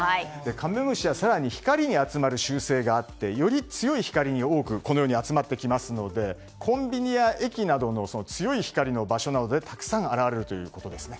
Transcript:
カメムシは更に、光に集まる習性があってより強い光に多く集まってきますのでコンビニや駅など強い光の場所などにたくさん現れるということですね。